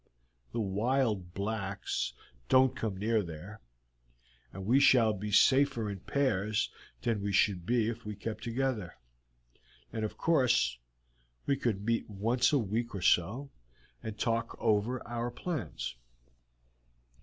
The wild blacks don't come near there, and we shall be safer in pairs than we should be if we kept together; and of course we could meet once a week or so to talk over our plans.